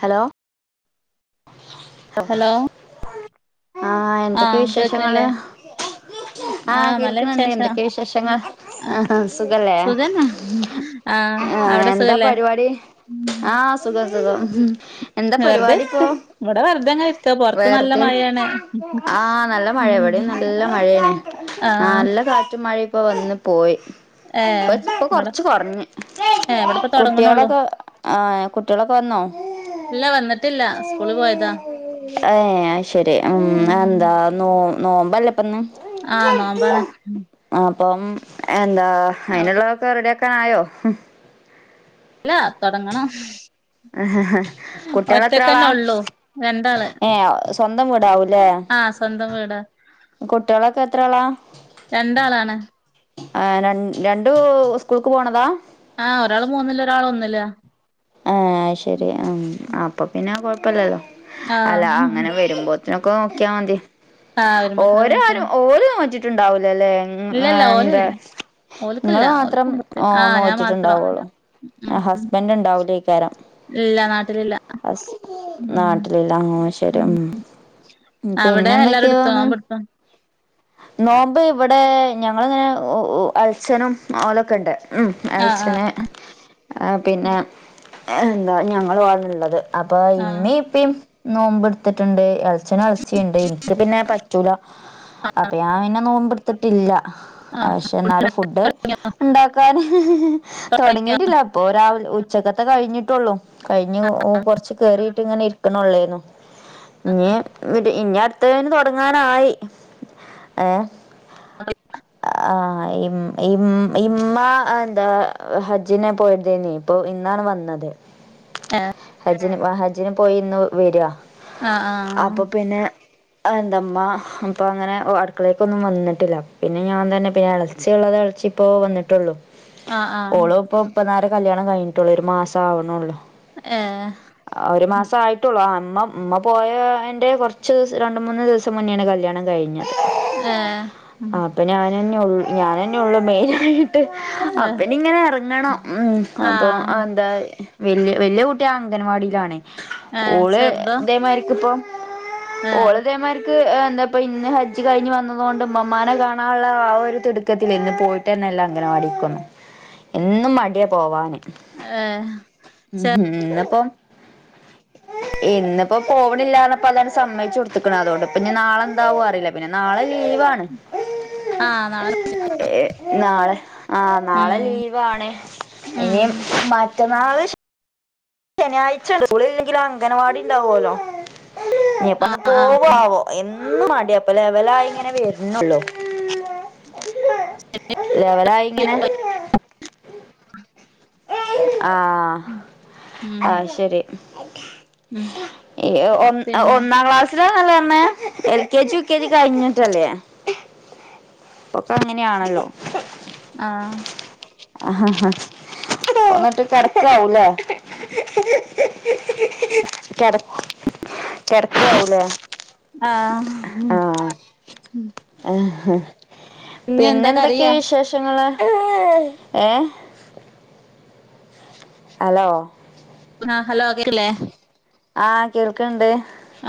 Hello hello ആ എന്തൊക്കെ ആഹ് വിശേഷങ്ങള് കേൾക്കണില്ലേ [unintelligible] ആ ആഹ് നല്ല കേൾക്ണ് ണ്ട് വിശേഷം എന്തൊക്കെ വിശേഷങ്ങൾ ആ ആഹ് സുഖല്ലേ? സുഖന്നാ ആഹ് ആ അവിടെ എന്താ സുഖല്ലേ പരിപാടി ആഹ് സുഖം സുഖം എന്താ വെറുതെ പരിപാടി? ഇരിക്ക ഇവിടെ വെറുതെങ്ങനെ ഇരിക്ക പൊറത്ത് നല്ല വേർതെ ഇരിക്ക മഴയാണ് ആഹ് നല്ല മഴയ ഇവിടെയും നല്ല മഴ ഴായാണ് ആഹ് നല്ല കാറ്റും മഴയും ഇപ്പോ വന്ന് പോയി. ഏഹ് ഇപ്പോ ഇവിടെ കൊറച്ച് കുറഞ്ഞ് ഏഹ് ഇവിടിപ്പ തൊടങ്ങണള്ളൂ കുട്ടികളൊക്കെ ഇപ്പോ കുട്ടികളൊക്കെ വന്നോ ഇല്ല വന്നിട്ടില്ല. സ്കൂളി പോയതാ ഏഹ് അയ്ശരി ഉം എന്താ നോ നോമ്പല്ലേ ഇപ് പ്പന്ന്. ആഹ് നോമ്പാണ് ആഹ് അപ്പം എന്താ ഹയിന്ള്ളോക്കെ റെഡിയാക്കാനായോ? ഇല്ല തൊടങ്ങണം. ആ കുട്ടികൾ എത്ര ആളാ ഒറ്റക്കന്നെ ഒള്ളൂ രണ്ടാള് ങേ സ്വന്തം വീടാവൂല്ലേ ആഹ് സ്വന്തം വീടാ കുട്ട്യേളൊക്കെ എത്രാളാ? രണ്ടാളാണ് ആഹ് രൻ രണ്ടൂ സ്കൂൾക്ക് പോണതാ? ആഹ് ഒരാള് മൂന്നില് ഒരാൾ ഒന്നിലാ. ആഹ് അയ് ശരി ഉം. അപ്പ പിന്നെ കൊഴപ്പല്ലല്ലോ. അല്ല ആഹ് അങ്ങനെ വരുമ്പോ ഒക്കെ നോക്കിയാ മതി ആഹ് വരുമ്പോത്തിനൊക്കെ നോക്കിയാ ഓരരും ഓരോ നോറ്റി ലലെ ഇല്ലല്ല ഓലല്ല [unintelligible] ഓൽക്കില്ല ഇങ്ങള് ഓൽക്ക് മാത്രം മുമ്പ് നോ ആഹ് ഞാൻ മാത്രം നോറ്റിട്ട്ണ്ടാവൊള്ളു. അ ഹസ്ബന്റ് ഇൻണ്ടാവുലേയ് കാരം. ഇല്ല നാട്ടിലില്ല അസ് ഉം നാട്ടിലില്ലാ ആഹ് ശെരി ഉം അവിടെ എല്ലാരും എടുത്തോ പിന്നെന്തൊക്കെയാവാണ്. നോമ്പ് എടുത്തോ നോമ്പ് ഇവടെ ഞങ്ങളങ്ങനെ അൾഛനും ഓളൊക്കേഉണ്ട് ഉ ആഹ് അൾഛന് ആഹ് പിന്നെ എന്താ ഞങ്ങളും ആണ്ള്ളത് അപ്പൊ ആഹ് ഇമ്മേം ഇപ്പി നോമ്പ്ട്ത്തിട്ടുണ്ട് എളച്ചനും എൾ ച്ചണ്ട് ഇൻക് പിന്നെ പറ്റുല. അപ്പൊ ഞാൻ പിന്നെ നോമ്പെട്ത്തിട്ടില്ല. ആഹ് ആക്ഷെ എന്നാലും ഫുഡ് ഇണ്ടാക്കാന് തുടങ്ങിയോ തൊടങ്ങിട്ടില്ല അപ്പൊ രാവിൽ ഉച്ചക്കത്തെ കഴിഞ്ഞിട്ടുള്ളൂ കഴിഞ്ഞ് കൊറച്ച് കേറിയിട്ട് ഇങ്ങനെ ഇരിക്കണെള്ളായിന്നു ഇനി അടുത്തേന് തൊട്ങ്ങാനായി. ഏഹ് [unintelligible] ആ ഇമ്മ എന്താ ഹജ്ജിനെ പോയതേനി ഇപ്പൊഇന്ന് ഇന്നാണ് വന്നത്. ഏഹ് ജ്ജിന് വഹജ്ജിന് പോയി ഇന്ന് വര. ആഹ് ആഹ് അതെന്താ ഉമ്മ്മ ഇപ്പൊ അങ്ങനെ അടുക്കളേക്കൊന്നും വന്നിട്ടില്ല പിന്നെ ഞാൻ തന്നെ പിന്നെ എളയിച്ചി ഇള്ളത് ഇപ്പച്ചി പ്പൊ വന്ന്ട്ടുള്ളൂ. ആഹ് ആഹ് ഓളും ഇപ്പൊ ഇപ്പന്നാരെ കല്യാണം കഴിഞ്ഞിട്ടുള്ളൂ ഒരു മാസം ആവണൊള്ളു ഏഹ് ഒരു മാസ ആയിട്ടൊള്ളു അ മ്മ മ്മ പോയാ ന്റെ കൊർച്ച് ദിവസം രണ്ട്, മൂന്ന് ദിവസം മുന്നേണ് കല്യാണം കഴിഞ്ഞ ഏഹ് ആഹ് അപ്പൊ ഞാനെന്നെള്ളു ഞാനന്നെ ഉള്ളൂ മെയിനായിട്ട് ഏഹ് അപ്പനിങ്ങനെ എർങ്ങണം. ഉം അപ്പോ ആഹ് താ വല്യാ വല്ല്യ കുട്ടി അംഗൻവാടിയിലാണ്. ഏഹ് ഓള് ചെറുതോ ഇതേമാര്ക്ക് ഇപ്പം ഏഹ് ഓള് തേ മാര്ക്ക് എന്താപ്പ ഇന്ന് ഹജ്ജ് കഴിഞ്ഞ് വന്നതോണ്ട് ഇമ്മമ്മാനെ കാണാള്ള ആ ഒരു തിടുക്കത്തില് ഇന്ന് പോയിട്ടന്നെല്ല അംഗന വാടീക്കൊന്നും എന്നും മട്യ പോവാന് ഏഹ് ഉം ഇന്ന് പ്പം ഇന്നിപ്പോ പോവണില്ലാരപ്പോ അതാണ് സമ്മച്ചു കൊടുത്തക്കണം അതുകൊണ്ട് ഇപ്പാ നാളെന്താവും അറിയില്ല പിന്നെ നാളെ അ ലീവാണ്. ആഹ് നാളെ [inaudible] നാളെ ആഹ് ഉം നാളെ ലീവാണ്. ഉം ഇനിം മറ്റന്നാള് ശ ശനിയാഴ്ച സ്കൂളില്ലെങ്കിലും അംഗൻവാടി ഇണ്ടാവോലോ നീപ്പന്ന് ആഹ് ആഹ് പോവാവോ എൻ ന്നും മടിയാ ഇപ്പൊ ലെവലായിങ്ങനെ വര്ണുള്ളൂ ലെവലായിങ്ങനെ ആഹ ഉം ആ ശെരി ഉം ഈ ഒ പിന്നെ ഒന്നാം ക്ലാസില അല്ലേ അമ്മേ.. എൽകെജി യുക്കെജി കഴിഞ്ഞിട്ടല്ലേ ഒക്കെ അങ്ങനെയാണല്ലോ ആഹ ഹഹ ഹാ ന്നിട്ട് കിടക്കാവൂലേ കെട ആഹ് മ് ആ പിന്നെ എന്തൊക്കെയ കരയാ വിശേഷങ്ങള് ഏ ഹലോ ആ ഹലോ കേട്ടിലെ ആഹ് കേൾക്കണ്ട് ആ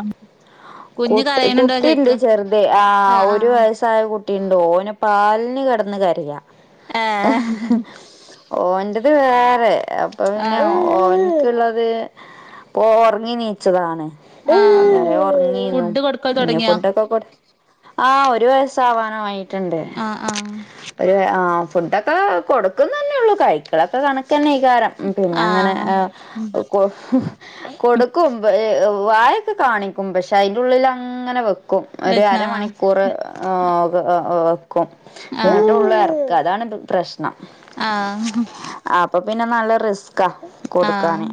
കുട്ടി കുട്ടിണ്ട്, ചെർത് ആ ആഹ് ഒരു വയസ്സായ കുട് ട്ടിണ്ട്. ഓന് പാൽന് കിടന്ന് കരയ ആഹ് ഹ്ഹ് ഏഹ് ഓന്റെ അത് വേറെ അപ്പൊ പിന്നെ ആഹ് ഓൻക്ള്ളേ അത് പോ ഒർങ്ങിനീച്ചതാണ് ആഹ ന്നി ഫുഡോക്കെകൊട് ആഹ ഒരു വയസാവാനായിട്ട്ണ്ട് ആഹ് ആഹ് ഒരു ആ ഫുഡൊക്കെ കൊടുക്ക്‌ന്നന്നെള്ളൂ കൈക്കലൊക്കെ കണ ക്കന്നേകാരം, പിന്നങ്ങനെ ആഹ് ഉം കൊ ഉം കൊടുക്കും പ വായൊക്കെ കാണിക്കും. പക്ഷെ അ യ്ൻ്റുള്ളിൽ അങ്ങനെ വെക്കും ഒരു വെച്ചാ അരമണിക്കൂർ ആ ഒക്കെ ആ ആഹ് എന്നിട്ടൊളളു എർക്ക. അതാണ് പ്രശ്നം ആഹ് അപ്പെ പിന്നെ നല്ല റിസ്കാ ആഹ് കൊടുക്കാന്.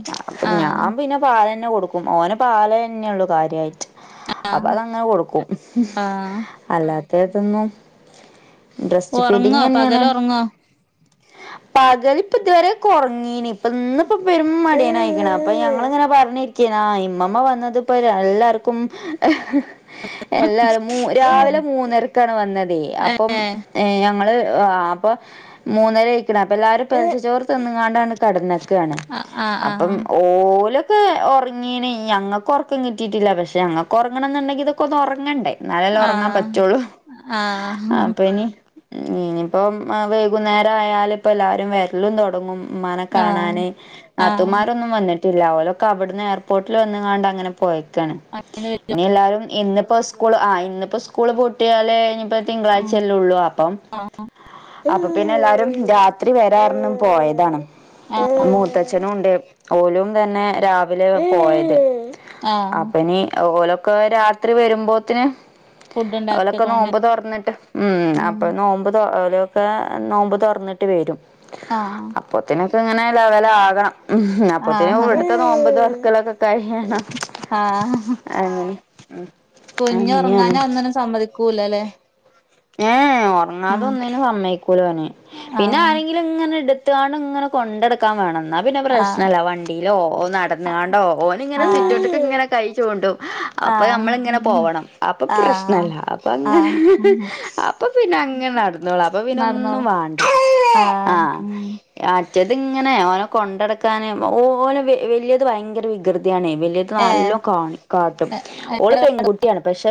ആഹ് ഞാൻ പിന്നെ പാല ന്നെകൊടുക്കും, ഓന് പാലന്നെയുള്ളൂ കാര്യായിട്ട് അപ്പൊ അതങ്ങനെ കൊടുക്കും. ആഹ് അല്ലാത്തതൊന്നും, ബ്രസ്റ്റ് ഒറങ്ങോ ഫീഡിങ്ങന്നേണ് പകല് ഒറങ്ങോ പകൽ ഇപ്പ ഇതുവരെ കൊറങ്ങീനി. ഇപ്പ ഇന്ന്‌പ്പ പെരും മടിയനായിക്ക്ണ്. അപ്പൊ ഞങ്ങള്ങ്ങനെ പർഞ്ഞിരികേ നി- ആ ഇമ്മമ്മ വന്നത്പ്പോ എല്ലാർക്കും ഹ് എല്ലാരും മൂ രാവിലെ മൂന്നരക്കാണ് വന്നതേ.. അപ്പം ഏഹ് ഞങ്ങള് ആ അപ്പൊ മൂന്നരയിക്ക്‌ണ് അപ്പൊ എല്ലാരും പെൽച്ചച്ചോറ് തിന്നുകാണ്ടാണ്ട് കടന്ന് ക്കാണ്. ആഹ് ആഹ് അപ്പം ഓലൊക്കെ ഒർങ്ങീനി, ഞങ്ങൾക്ക് ഉറക്കം കിട്ടിയിട്ടില്ല പക് ഞങ്ങക്കൊർങ്ങണന്നുണ്ടെങ്കിൽ തൊക്കൊന്ന് ഉറങ്ങണ്ടേ എന്നാലെല്ലാ ഉറങ്ങാൻ ആഹ് പറ്റുള്ളൂ. ആഹ് അപ്പൊ ഇനി ഇനിയിപ്പം വൈകുന്നേരം ആയാല്‌പ്പം എല്ലാരും വെര്ലും തുടങ്ങും ആഹ് ഉമ്മാനെകാണാന് ആഹ് നാത്തൂന്മാരൊന്നും വന്നിട്ടില്ല, ഓലൊക്കെ അവിടുന്ന് എയർപോർട്ടിൽ വന്ന്ങ്ങാണ്ട് അങ്ങനെ പോയി പോയക്കാണ്. അങ്ങനെ വരും ഇനി എല്ലാരും ഇന്നിപ്പോ സ്കൂള് ആ ഇന്നിപ്പൊ സ്‌കൂള് പൂട്ടിയാലേ നിപ്പ ആഹ് തിങ്കളാഴ്ചല്ലെള്ളൂ അപ്പം ആഹ് അപ്പ പിന്നെ എല്ലാരും രാത്രി വരാർഞ്ഞ് പോയതാണ്. ആഹ് മൂത്തച്യ ളുണ്ട്. ഓലും തന്നെ രാവിലെ പോയത് ആഹാ അപ്പനി ഓലൊക്കെ രാത്രി വരുമ്പോത്തിന് ഫുഡ് ഓലൊക്കെ ഉണ്ടാക്കിക്കോണ്ട് നോമ്പ് തൊർന്നിട്ട് ഉം അപ്പൊ നോമ്പ് തൊ ഓലൊ ക്കെ നോമ്പ് തൊറന്നിട്ട് വരും. ആ.... അപ്പത്തിനൊക്കെ ഇങ്ങനെ ലവലാകണം. അപ്പൊത്തേന് ആഹ് ഇവിടുത്തെ നോമ്പു തൊറക്കലൊക്കെ കഴിയണം. ആ..... അങ്ങനെ കുഞ്ഞ് ഉറങ്ങാനാ അങ്ങനെയാണ് ഒന്നിനും സമ്മതി കൂലല്ലേ ഏ ഉറങ്ങാതെ ഒന്നിനും സമ്മയിക്കൂലവന്. പിന്നെ ആഹ് ആരെങ്കിലും ഇങ്ങനെടു ആ [unintelligible] ണ്ങ്ങനെ കൊണ്ടെടുക്കാൻ വേണംന്ന് എന്നാ പിന്നെ ആഹ് പ്രശ്നോല്ല. വണ്ടിയിലോ, നടന്നുകാണ്ടോ ഓനിങ്ങനെ ആഹ് സിറ്റോട്ടക്കെ ഇങ്ങനെ കൈചൂണ്ടും. അപ്പൊ ആഹ് നമ്മള് ഇങ്ങനെ പോകണം. അപ്പൊ ആഹ് പ്രശ്നല്ല. അപ്പൊ അങ്ങനെ ആഹ് ഉം അപ്പൊ പിന്നെ അങ്ങനെ നടന്നോളും. അപ്പൊ പിന്ന ഒന്നും നടന്നോളൂ വാണ്ട. ആഹ് ആ ഉം മറ്റേത്ങ്ങനെ ഓനേ കൊണ്ടടക്കാനും. ഓന് വലിയത് ഭയങ്കര വികൃതി യാണേ വലിയത് ഏഹ് നല്ലോ കാണ കാട്ടും. ഓള് പെൺകുട്ടിയാണ്. പക്ഷെ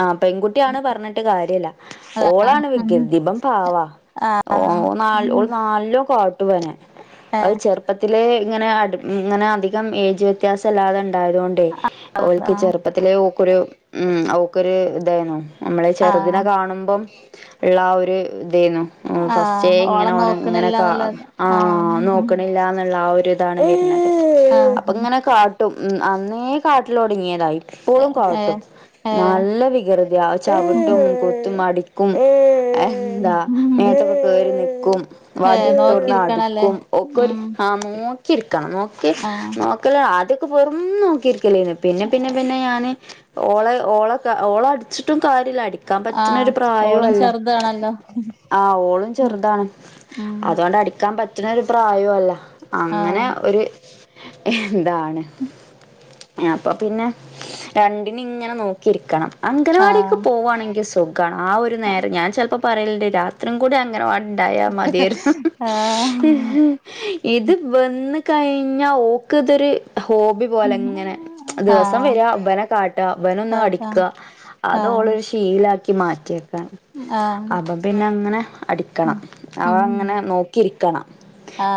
ആ പെൺകുട്ടിയാണ് പറഞ്ഞി കാര്യല്യ. ഓളാണ് വികൃതി ഇബൻ പാവാ ഓ ഓള് നല്ലോ കാട്ടുവനെ. അത് ഏഹ് ചെറുപ്പത്തിലേ ഇങ്ങനെ അടു ഇങ്ങനെ അധികം ഏജ് വ്യത്യാസംല്ലാതെ ഉണ്ടായതുകൊണ്ടേ ഓൾക്ക് ആഹ് ചെറുപ്പത്തിലെ ഓക്കൊരു ഉം അവക്കൊരു ഇതാണോ ചെറുതിനെ ആഹ് കാണുമ്പം ള്ള ഒരു [unintelligible] ഫസ്റ്റേ ആഹ് ഇങ്ങനെ ഓളെ ഓനേ ഇങ്ങനെ കാ നോക്കണില്ലാന്നുള്ള ആ ആഹ് നോക്കണില്ലാന്നുള്ള ആ ഒരു അതാണ്. [inaudible] അപ്പ ആഹ് ഇങ്ങനെ കാട്ടും. അന്നേ കാട്ടല് തൊടങ്ങിയതായി എപ്പോളും കാട്ടും. ഏഹ് ഏഹ് നല്ല വികൃതിയാ. ചവിട്ടും കുത്തും അടി കും ന്താ നേത്തൊക്കെ കേറി നിക്കും ഏഹ് വടീടുത്തോണ്ടന്ന് നോക്കിയിരിക്കണല്ലേ അടിക്കും ഒക്കെരു ഉം ആ രിക്കണം നോക്കി ആഹ് നോക്കല് ആദ്യൊക്കെ പെറുംന്നും നോക്കി ക്കലേന് പിന്നെ പിന്നെ പിന്നെ ഞാന് ഓളെ ഓള ഓള അടിച്ചിട്ടും കാര്യല്യ ക്കാൻ പറ്റുന്ന ആഹ് ഒരു പ്രായോം ഓളും അല്ല ചെറുതാണല്ലോ ആഹ് ഓളും ചെറുതാണ്. ഉം അതുകൊണ്ട് അടിക്കാൻ പറ്റ് നൊരു പ്രായോം അല്ല അങ്ങനെ ആഹ് ഒരു എന്താണ് അപ്പൊ പിന്നെ രണ്ടിനേം ഇങ്ങനെ നോക്കിയിരിക്കണം അംഗനവാടി ആഹ് ആണെങ്കി സുഖാണ് ആ ഒരു നേരം ഞാൻ ചിലപ്പോ പറയലുണ്ട് രാത്രിം കൂടി അങ്ങനവാടി ണ്ടായാ മതിയാര്ന്നു ആഹ് ഇത് വന്ന് കഴിഞ്ഞാ ഓക്ക് ഇതൊരു ഹോബി പോലെ ങ്ങനെ ദിവസം ആഹ് വര്വ ഇവ്നെ കാട്ടുക ഇവ്നെ കാക്ക ഒന്നടിക്കുക ആഹ് അതോളൊരു ശീലാക്കി മാറ്റിയെക്കാണ് ആഹ് അപ്പം പിന്നെ അങ്ങനെ അടിക്കണം അവ ഉം അങ്ങനെ നോക്കിരിക്കണം.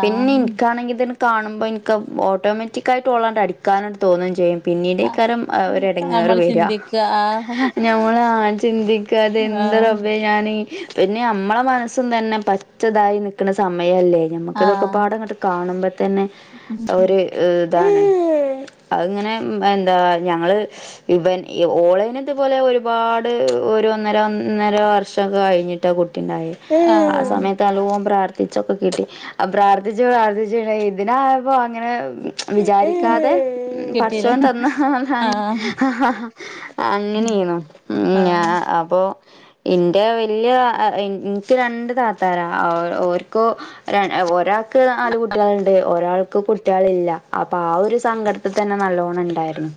പിന്നെ ഇനിക്കാണെങ്കിൽ ഇത കാണുമ്പോ എനിക്ക് ഓട്ടോമാറ്റിക്കായിട്ട് ഓളേങ്ങട്ടു അടിക്കാനായിട്ട് തോന്നേം ചെയ്യും. പിന്നീടിക്കാരം ഒരെടങ്ങേറ് നമ്മള് വര്വ ചിന്തിക്ക ആഹ് ഞമ്മള് ആ ചിന്തിക്കാതെ എന്തൊരു ആഹ് അഭ [unintelligible] ഞാന് പിന്നെ മ്മളെ മനസ്സും തന്നെ പച്ചതായി നിക്കണ സമയത്ത് അല്ലേ ഞമ്മക്കിതൊക്കെ ആഹ് പാടങ്ങട്ട് കാണുമ്പോ തന്നെ ഒരു അങ്ങനെ എന്താ ഞങ്ങള് ഇവൻ ഓൺലൈനൊക്കെ അതുപോലെ ഒരുപാട് ഒരു ഒന്നര ഒന്നര വർഷൊക്കെ കഴിഞ്ഞിട്ട് ആ കു ണ്ടായേ ആ ആഹ് സമയത്ത് നല്ലോം പ്രാർത്ഥി തിരിച്ചൊക്കെ കിട്ടി. അ പ്രാർത്ഥിച്ചു പ്രാർത്ഥിച്ചു ഇതിനായപ്പോ അങ്ങനെ വിചാരിക്കാതെ കിട്ടീലെ പടച്ചവൻ തന്ന ആഹ് ഹഹഹാ അങ്ങനെ ചെയ്യണോ ആ ആഹ് അപ്പോ ന്റെ വല്യ നിക്ക് രണ്ട് താത്താരാ ഓര്ക്ക് ഒരാൾക്ക് നാല് കുട്ടികളുണ്ട്. ഒരാൾക്ക് കുട്ടികളില്ല. അപ്പൊ ആ ഒരു സങ്കടത്തി തന്നെ നല്ല റോണണ്ടാർന്ന്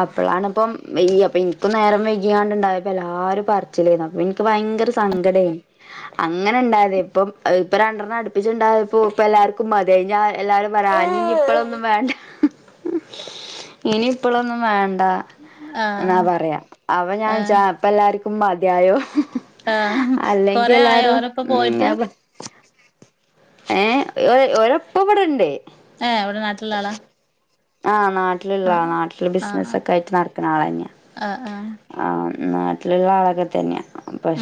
അപ്പോഴാണ് ഇപ്പം ഈ യ ഇൻക്കും നേരം വൈകിയാണ്ട്ണ്ടായപ്പ എല്ലാരും പറച്ചിലേന്നു അപ്പൊ ഇൻക്ക് ഭയങ്കര സങ്കടയ്നി അങ്ങ് അങ്ങനെ ഉണ്ടായത് ഇപ്പം ഇപ്പ രണ്ടെണ്ണം അടുപ്പിച്ച്ണ്ടായപ്പോ ഇപ്പ എല്ലാർക്കും മതിയായി എല്ലാരും [unintelligible] ഇപ്പളൊന്നും വേണ്ട ഇനി ഇപ്പളൊന്നും വേണ്ട. എന്നാ ആഹ് പറയാ അവ ഞാൻ ജ ആഹ് ഇപ്പ എല്ലാർക്കും മതിയായോ. ആഹ് അല്ലെങ്കിൽ കൊറേ ആയോ എല്ലാരും ഓരൊപ്പം ഉം പോയിട്ട് അപ്പ ഏഹ് ഒരപ്പ ഇവ്ടെണ്ട്. [unintelligible] ആ നാട്ടില്ള്ളാളാ ആഹ് നാട്ടില് ആഹ് ബിസ്നസൊക്കായിട്ട് നടക്ക്ണ ആളന്നെ ആഹ് ആഹ് ആ നാട്ടിലിള്ളാ ആളൊക്കെ തന്നെയാ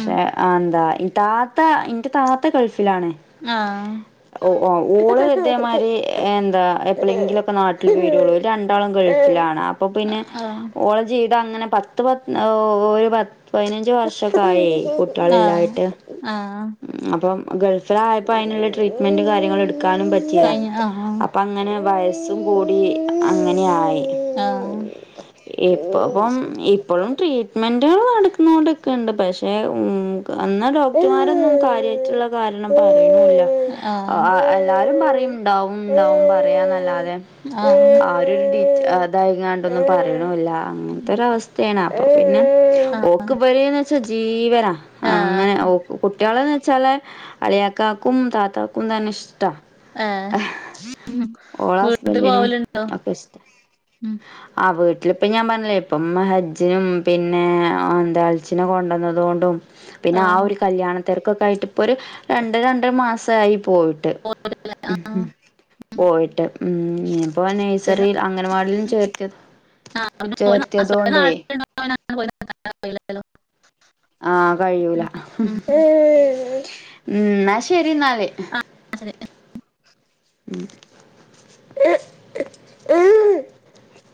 ഉം എന്താ ഈ താത്ത ഇന്റെ താത്ത ഗൾഫ് ലാണ് ആഹ് ഓഹ് ഓള് ഐതേമാരി എന്താ എപ്പളെങ്കിലൊക്കെ നാട്ടില് വെരൊള്ളൂ രണ്ടാളും ഗൾഫിലാണ്. ആ അപ്പപ്പിന്നെ ആഹ് ഓളെ ജീവിതം അങ്ങനെ പത്ത് പ ഒരു പ പയ്നഞ്ച് വർഷൊക്കായേ ആഹ് കുട്ട്യാളിലായിട്ട് ആഹ് അപ്പം ഗൾഫിലായപ്പോ അയ്ന്ള്ള ട്രീറ്റ്മെന്റ് കാര്യങ്ങളും എട്ക്കാനും പറ്റീല കഴിഞ്ഞ ആഹ് അപ്പം അങ്ങനെ വയസ്സും കൂടി അങ്ങനെയായി. ആഹ് ഇപ്പപ്പം ഇപ്പഴും ട്രീറ്റ്മെന്റ് നടക്കുന്നോട്ക്ക്ണ്ട് പക്ഷെ ഉ അന്നാ ഡോക്ടർമാരൊന്നും കാര്യാട്ട്ള്ള കാരണം പറയ്ണുല്ല്യ. ആഹ് എല്ലാരും പറയും ഇണ്ടാവും ഉണ്ടാവും പറയാന്നല്ലാതെ ആഹ് ആരും അതായ്കാണ്ടൊന്നും പറയ്ണുല്ല അങ്ങനത്തൊരു അവസ്ഥയാണ് അപ്പൊ പിന്നെ ഓക്ക് ഇവലെന്ന് വെച്ചാ ജീവനാ അങ്ങനെ കുട്ട്യാളെ ചല്ല അളിയാകാകും താത്താകും തന്നെ ഇഷ്ട്ട. ആഹ് വ് ബന്റിനും അക്കെ ഇഷ്ട്ട ഉം അ ആഹ് വീട്ടിലിപ്പം ഞാൻ പറഞ്ഞില്ലേ ഇപ്പം മ്മ ഹജ്ജിനും പിന്നെ എന്താൾച്ചിനും കൊണ്ടന്നതോണ്ടും പിന്നെ ആഹ് ഒരു കല്യാണത്തെർക്കൊക്കെ ആയിട്ട് ഇപ്പൊ ഒരു രണ്ട രണ്ടര മാസായി പോയിട്ട് പോവൂലേ ഉം ഹു ആഹ് പോയിട്ട്. ഉം ഞ്ഞിപ്പോ പിന്നെ നഴ്സറി അംഗൻവാടിലും ചേർത്തിയ ആഹ് പിന്നെ പോയി ഹസ്ബൻഡ് ചേർത്തിയതോണ്ടേ. [unintelligible] ആഹ് കഴിയൂല ഉം ന്നാ ശരിന്നാല്. ആഹ് ശരി ഉം